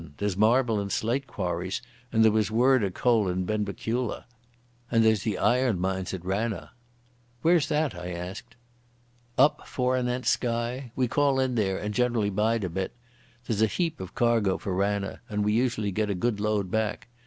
There's marble and slate quarries, and there was word o' coal in Benbecula. And there's the iron mines at Ranna." "Where's that?" I asked. "Up forenent Skye. We call in there, and generally bide a bit. There's a heap of cargo for Ranna, and we usually get a good load back.